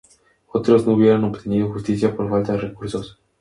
Otros no hubieran obtenido justicia por falta de recursos.